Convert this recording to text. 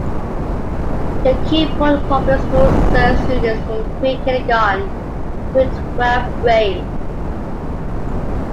The Keyport Public Schools serve students from pre-kindergarten through twelfth grade.